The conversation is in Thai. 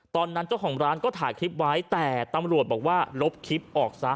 ตอนนั้นเจ้าของร้านก็ถ่ายคลิปไว้แต่ตำรวจบอกว่าลบคลิปออกซะ